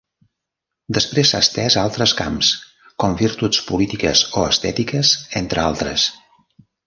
Després s'ha estès a altres camps, com virtuts polítiques o estètiques, entre altres.